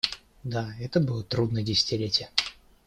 Да, это было трудное десятилетие.